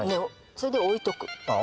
それで置いとくあっ